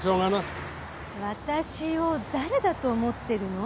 私を誰だと思ってるの？